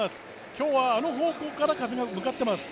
今日はあの方向から風が向かってます。